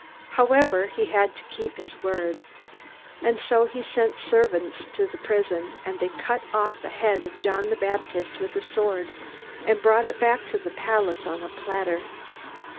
However, he had to keep his word. And so he sent servants to the prison, and they cut off the head of John the Baptist with a sword, and brought it back to the palace on a platter.